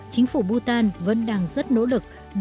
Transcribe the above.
chính phủ bhutan vẫn đang rất nỗ lực